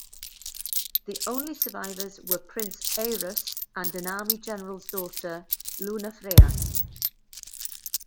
The only survivors were Prince Arus and an army General's daughter, Lunafrea.